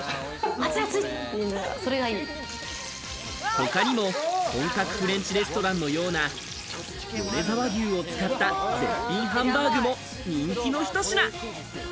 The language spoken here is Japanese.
他にも本格フレンチレストランのような米沢牛を使った絶品ハンバーグも人気のひと品。